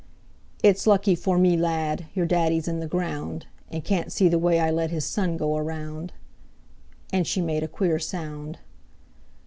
"It's lucky for me, lad, Your daddy's in the ground, And can't see the way I let His son go around!" And she made a queer sound.